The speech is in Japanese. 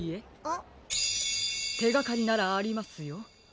てがかりならありますよ。